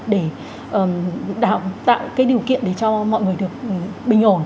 để tạo cái điều kiện để cho mọi người được bình ổn